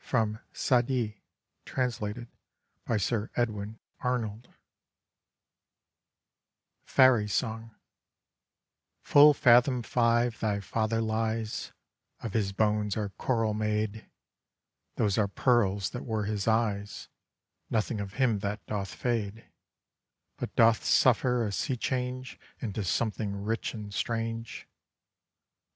From SA'DI ; trans, by SIR EDWIN ARNOLD FAIRY SONG Full fathom five thy father lies; Of his bones are Coral made; Those are Pearls that were his eyes: Nothing of him that doth fade, But doth suffer a sea change Into something rich and strange.